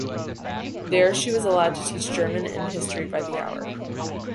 There she was allowed to teach German and history by the hour.